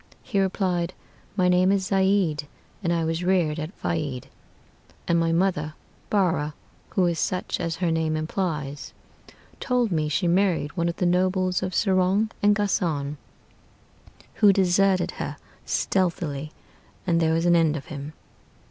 He replied, 'My name is Zeid, and I was reared at Faid; And my mother Barrah (who is such as her name implies), Told me she married one of the nobles of Serong and Ghassân, Who deserted her stealthily, and there was an end of him.'